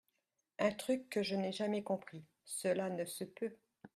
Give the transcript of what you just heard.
Un truc que je n’ai jamais compris, cela ne se peut.